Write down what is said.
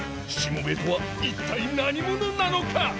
しもべえとは一体何者なのか！？